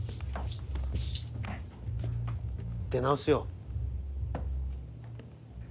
出直すよ。